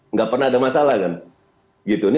nggak pernah ada masalah kan gitu